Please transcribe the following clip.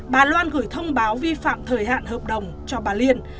bà loan gửi thông báo vi phạm thời hạn hợp đồng cho bà liên